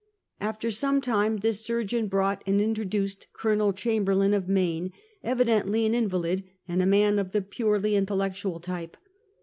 After some time this surgeon brought, and intro duced Col. Chamberlain, of Maine, evidently an in valid, and a man of the purely intellectual type.